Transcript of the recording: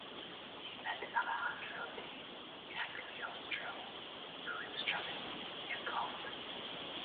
He met Alessandro di Cagliostro, who instructed him in the occult.